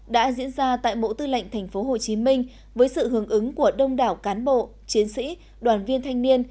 đã diễn ra tại bộ tư lệnh tp hcm với sự hướng ứng của đông đảo cán bộ chiến sĩ đoàn viên thanh niên